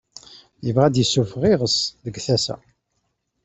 Yebɣa ad d-yessufeɣ iɣes deg tasa.